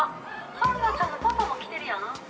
ハルナちゃんのパパも来てるやん。